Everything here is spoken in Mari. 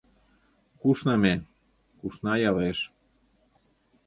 Кушна ме; кушна ялеш.